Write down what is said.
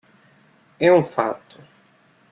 É um fato.